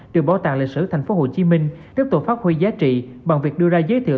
được bảo tàng lịch sử tp hcm đất tổ phát huy giá trị bằng việc đưa ra giới thiệu